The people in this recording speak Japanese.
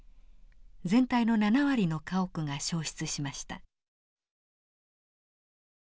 全体の７割の家屋が焼失しました。